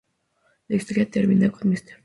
La historia termina con Mr.